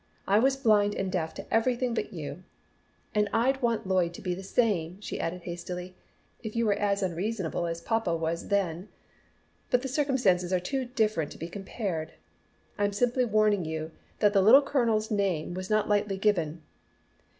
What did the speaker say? I was blind and deaf to everything but you. And I'd want Lloyd to be the same," she added hastily, "if you were as unreasonable as papa was then. But the circumstances are too different to be compared. I'm simply warning you that the Little Colonel's name was not lightly given.